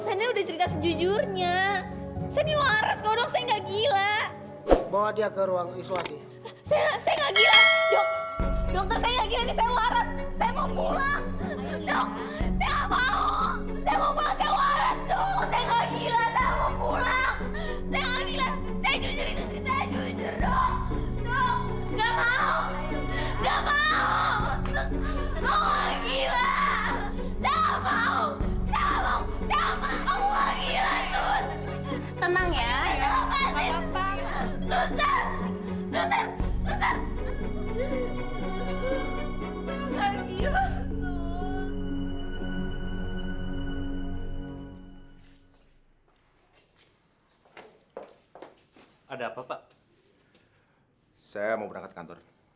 saya mau berangkat kantor